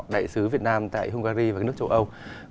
đại sứ việt nam tại hungary và các nước châu âu